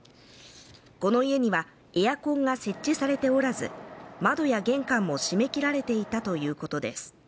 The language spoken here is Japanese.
この家にはエアコンが設置されておらず窓や玄関も締め切られていたということです